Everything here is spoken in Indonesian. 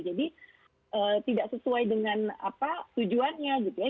jadi tidak sesuai dengan tujuannya gitu ya